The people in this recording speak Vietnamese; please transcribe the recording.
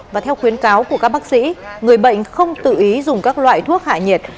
và theo khuyến cáo của các bác sĩ người bệnh không tự ý dùng các loại thuốc hạ nhiệt